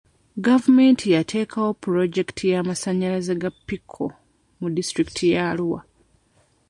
Gavumenti yateekayo pulojekiti y'amasanyalaze ga pico mu disitulikiti ye Arua.